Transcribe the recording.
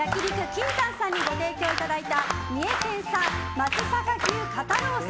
ＫＩＮＴＡＮさんにご提供いただいた三重県産松阪牛肩ロース